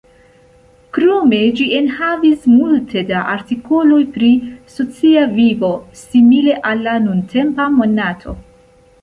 Krome ĝi enhavis multe da artikoloj pri "socia vivo", simile al al nuntempa Monato.